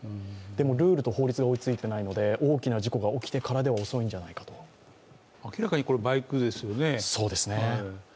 でもルールと法律が追いついていないので大きな事故が起きてからでは明らかに、これバイクですよね。